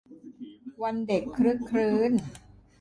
วันเด็กครึกครื้น